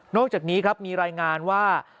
อกจากนี้ครับมีรายงานว่า